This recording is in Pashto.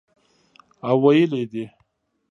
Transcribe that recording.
او ویلي یې دي